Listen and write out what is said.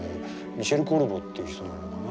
ミシェル・コルボっていう人なのかな。